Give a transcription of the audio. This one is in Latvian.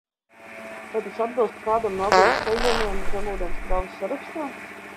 Vai tas atbilst kādam no abiem Sezaniem zemūdenes kravas sarakstā?